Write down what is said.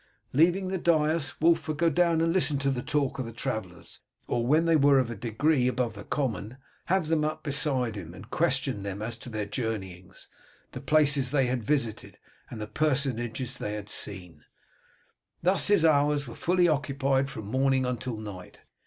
Leaving the dais, Wulf would go down and listen to the talk of the travellers, or, when they were of a degree above the common, have them up beside him, and question them as to their journeyings, the places they had visited, and the personages they had seen. Thus his hours were fully occupied from morning until night.